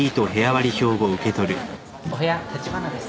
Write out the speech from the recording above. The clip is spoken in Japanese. お部屋橘です。